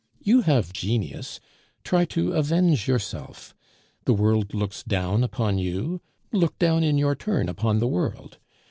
You have genius; try to avenge yourself. The world looks down upon you; look down in your turn upon the world.